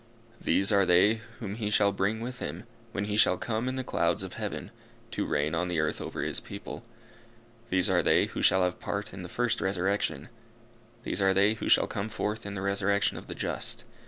These are they whom he shall bring with him, when he shall come in the clouds of heaven, to reign on the earth over his people. These are they who shall have part in the first resurrection. These are they who shall come forth in the resurrection of the just.